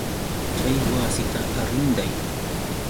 Chay wasita arrinday.